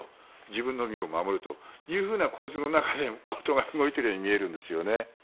自分の身を守るという構図の中で事が動いているように見えるんですよね。